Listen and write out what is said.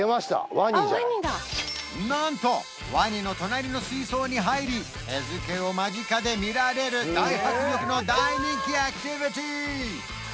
ワニじゃないなんとワニの隣の水槽に入り餌付けを間近で見られる大迫力の大人気アクティビティ